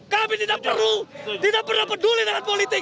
kami tidak perlu tidak pernah peduli dengan politik